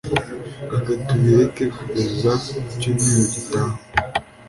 Reka tubireke kugeza icyumweru gitaha.